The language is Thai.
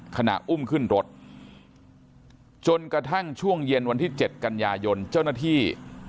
ขณะอุ้มขึ้นรถจนกระทั่งช่วงเย็นวันที่๗กันยายนเจ้าหน้าที่